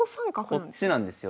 こっちなんですよ。